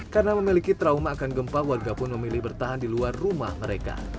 karena memiliki trauma akan gempa warga pun memilih bertahan di luar rumah mereka